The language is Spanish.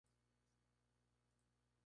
Ha compuesto música para cine.